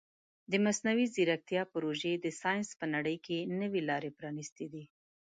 د مصنوعي ځیرکتیا پروژې د ساینس په نړۍ کې نوې لارې پرانیستې دي.